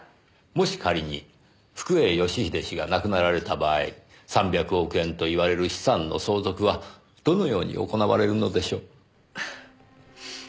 もし仮に福栄義英氏が亡くなられた場合３００億円といわれる資産の相続はどのように行われるのでしょう。